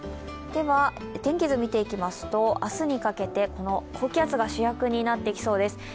天気図見ていきますと、明日にかけて高気圧が主役になってきそうです。